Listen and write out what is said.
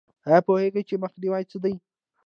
ایا پوهیږئ چې مخنیوی څه دی؟